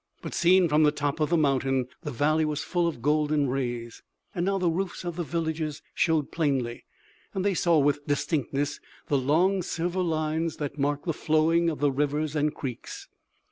But seen from the top of the mountain the valley was full of golden rays. Now the roofs of the villages showed plainly and they saw with distinctness the long silver lines that marked the flowing of the rivers and creeks.